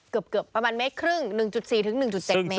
เกือบประมาณเมตรครึ่ง๑๔๑๗เมต